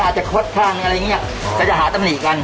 อาจจะคดทางอะไรอย่างนี้จะหาตำหรี่กัน